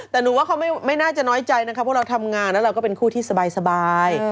แต่หนูว่าเขาไม่น่าจะน้อยใจนะคะเพราะเราทำงานแล้วเราก็เป็นคู่ที่สบาย